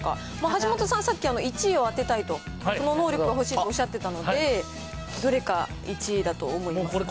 橋本さん、さっき１位を当てたいと、その能力が欲しいとおっしゃってたので、どれが１位だと思いますか？